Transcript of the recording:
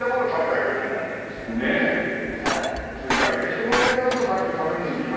人が焼いたものを出して食べるのにしましょうか。